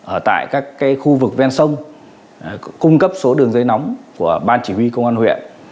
ở tại các khu vực ven sông cung cấp số đường dây nóng của ban chỉ huy công an huyện